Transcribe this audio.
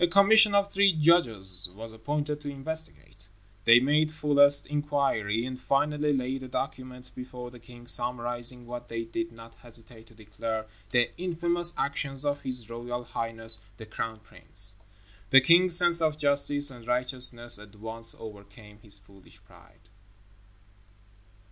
A commission of three judges was appointed to investigate. They made fullest inquiry and finally laid a document before the king summarizing what they did not hesitate to declare the "infamous actions of His Royal Highness, the Crown Prince." The king's sense of justice and righteousness at once overcame his foolish pride.